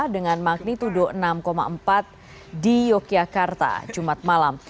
dengan magnitudo enam empat di yogyakarta jumat malam